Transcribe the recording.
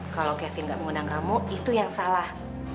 kalau kevin gak mengundang kamu itu yang salah